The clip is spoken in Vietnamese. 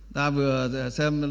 ta vừa xem